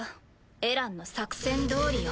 エランの作戦どおりよ。